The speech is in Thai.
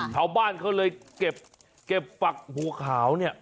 ชาวบ้านเขาเลยเก็บฝักหัวขาวเนี่ย